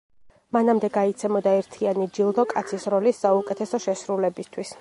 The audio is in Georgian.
მანამდე გაიცემოდა ერთიანი ჯილდო კაცის როლის საუკეთესო შესრულებისთვის.